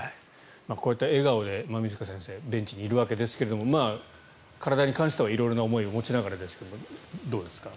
こうやって笑顔でベンチにいるわけですが体に関しては色々な思いを持ちながらですがどうですか？